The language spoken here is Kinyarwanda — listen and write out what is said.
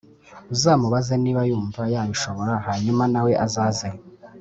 uzamubaze niba yumva yabishobora hanyuma nawe azaze